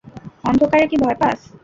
অন্ধকারে কি ভয় পাচ?